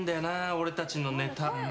俺たちのネタ。